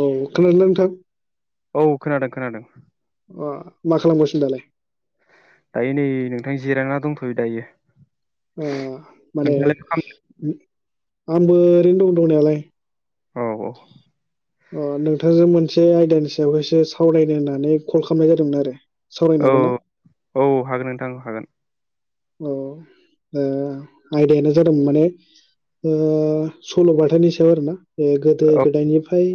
औ खोनादोना नोंथां? औ खोनादों खोनादों। अ मा खालामगासिनो दालाय दायो नै नोंथां जिरायना दंथ'यो दायो आ माने नोंथाङालाय मा खालामदों आंबो ओरैनो दं दंनायालाय औ औ अ नोंथांजों मोनसे आयदानि सायावहायसो सावरायनो होननानै कल खालामनाय जादोंमोन आरो। सावरायनो औ हागोन ना औ हागोन नोंथां हागोन। औ आयदायानो जादों माने सल' बाथानि सायाव आरोना। ए गोदो औ गोदायनिफ्राय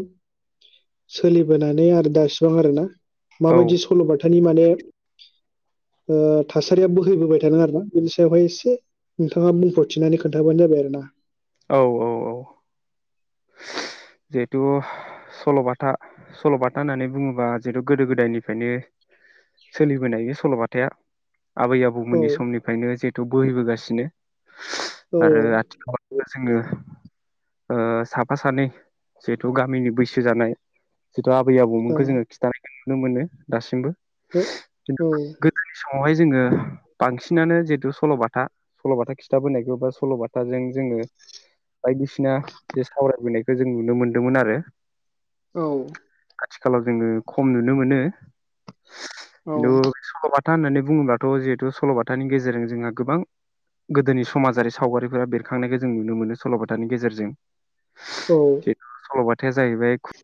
सोलिबोनानै आरो दासिबां आरोना। औ माबायदि सल'बाथानि माने थासारिया बोहैबोबाय थादों आरो ना बेनि सायावहाय एसे नोंथाङा बुंफोरथिनानै खोन्थाबानो जाबाय आरो ना। औ औ औ जिहेथु सल'बाथा सल'बाथा होननानै बुङोबा जिहेतु गोदो गोदायनिफ्रायनो सोलिबोनाय बे सल'बाथाया। आबै औ आबौमोननि समनिफ्रायनो जिहेतु बोहैबोगासि नो औ आरो आथि जोङो ओ साफा सानै जिहेथु गामिनि बैसो जानाय। जेहेतु आबै औ आबौमोनखौ जोङो खिथानाय नुनो नुनो मोनो दासिमबो। औ औ बावहाय जोङो बांसिनानो जिहेतु सल'बाथा सल'बाथा खिथाबोनायखौबा सल'बाथाजों जोङो बायदिसिना जे सावरायबोनाय खो जों नुनो मोनदोंमोन आरो। औ आथिखालाव जोङो खम नुनो मोनो। नु औ सल' बाथ बाथा होननानै बुङोब्लाथ' जिहेतु सल'बाथानि गेजेरजों जोंहा गोबां गोदोनि समाजारि सावगारिफोरा बेर खांनायखौ जों नुनो मोनो सल'बाथानि गेजेरजों। औ जिहेथु सल'बाथ थाया जाहैबाय खु